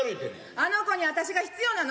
あの子には私が必要なの。